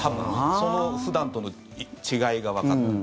その普段との違いがわかった。